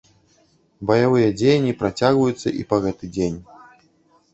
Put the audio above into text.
Баявыя дзеянні працягваюцца і па гэты дзень.